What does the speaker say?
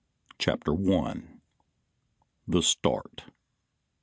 CHAPTER I. THE START.